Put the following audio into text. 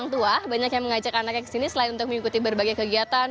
tua banyak yang mengajak anak anak ke sini selain untuk mengikuti berbagai kegiatan